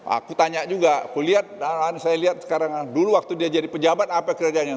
aku tanya juga aku lihat dan saya lihat sekarang dulu waktu dia jadi pejabat apa kerjanya